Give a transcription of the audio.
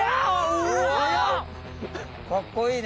かっこいいね。